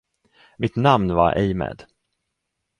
Mitt namn var ej med.